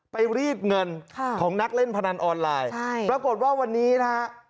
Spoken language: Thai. รีดเงินของนักเล่นพนันออนไลน์ใช่ปรากฏว่าวันนี้นะฮะ